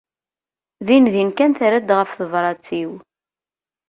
Dindin kan terra-d ɣef tebṛat-iw.